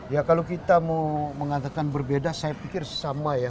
ya kalau kita mau mengatakan berbeda saya pikir sama ya